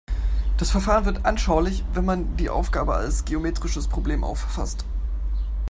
Das Verfahren wird anschaulich, wenn man die Aufgabe als geometrisches Problem auffasst.